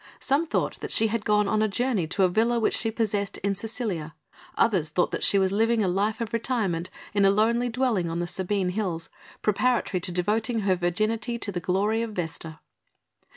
Some thought that she had gone on a journey to a villa which she possessed in Sicilia, others thought that she was living a life of retirement in a lonely dwelling on the Sabine Hills, preparatory to devoting her virginity to the glory of Vesta.